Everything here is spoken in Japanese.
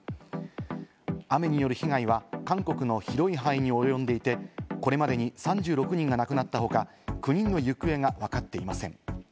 雨による被害は韓国の広い範囲に及んでいて、これまでに３６人が亡くなった他、９人の行方がわかっていません。